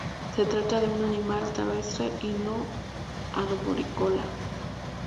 Se trata de un animal terrestre y no arborícola.